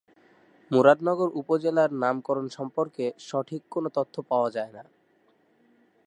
মুরাদনগর উপজেলার নামকরণ সম্পর্কে সঠিক কোন তথ্য পাওয়া যায়না।